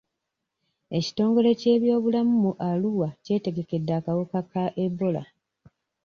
Ekitongole ky'ebyobulamu mu Arua kyetegekedde akawuka ka Ebola.